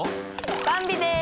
ばんびです。